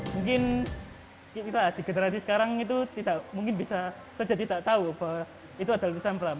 mungkin kita di generasi sekarang itu tidak mungkin bisa saja tidak tahu bahwa itu adalah lulusan pelam